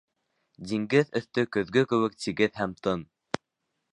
Диңгеҙ өҫтө көҙгө кеүек тигеҙ һәм тын.